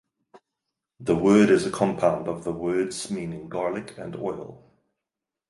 The word is a compound of the words meaning "garlic" and "oil".